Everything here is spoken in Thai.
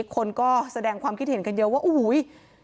คนก็แสดงความคิดเห็นกันเยอะว่าโอ้โห